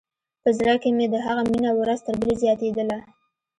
په زړه کښې مې د هغه مينه ورځ تر بلې زياتېدله.